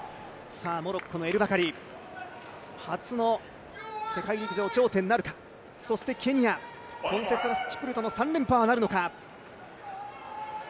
モロッコのエル・バカリ、初の世界陸上頂点なるか、そしてケニア、キプルトの３連覇はなるのか。